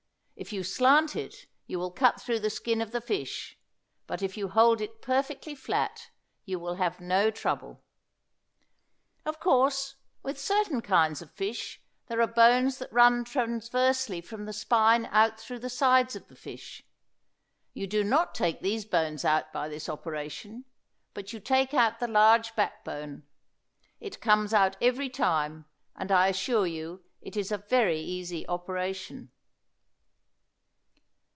If you slant it you will cut through the skin of the fish, but if you hold it perfectly flat you will have no trouble. Of course, with certain kinds of fish there are bones that run transversely from the spine out through the sides of the fish. You do not take these bones out by this operation, but you take out the large back bone. It comes out every time, and I assure you it is a very easy operation.